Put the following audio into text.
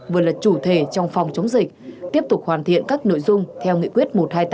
vừa là chủ thể trong phòng chống dịch tiếp tục hoàn thiện các nội dung theo nghị quyết một trăm hai mươi tám